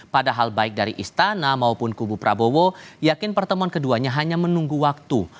padahal baik dari istana maupun kubu prabowo yakin pertemuan keduanya hanya menunggu waktu